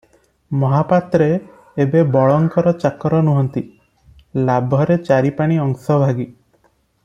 ମହାପାତ୍ରେ ଏବେ ବଳଙ୍କର ଚାକର ନୁହନ୍ତି, ଲାଭରେ ଚାରିପଣି ଅଂଶଭାଗୀ ।